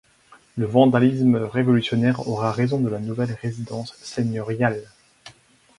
Le vandalisme révolutionnaire aura raison de la nouvelle résidence seigneuriale.